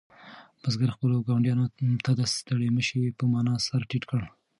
بزګر خپلو ګاونډیانو ته د ستړي مه شي په مانا سر ټیټ کړ.